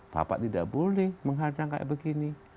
bapak tidak boleh menghadang kayak begini